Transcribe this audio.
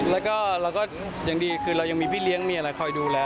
แล้วก็เราก็อย่างดีคือเรายังมีพี่เลี้ยงมีอะไรคอยดูแล